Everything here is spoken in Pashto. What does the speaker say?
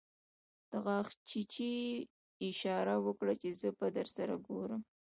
په غاښچيچي يې اشاره وکړه چې زه به درسره ګورم.